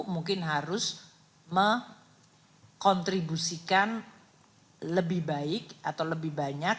mungkin harus mengkontribusikan lebih baik atau lebih banyak